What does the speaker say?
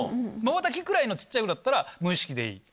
まばたきくらいの小っちゃいのだったら無意識でいい。